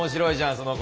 その子。